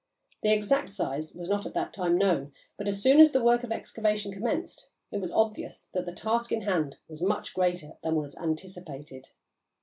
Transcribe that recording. The exact size was not at the time known, but as soon as the work of excavation commenced it was obvious that the task in hand was much greater than was anticipated.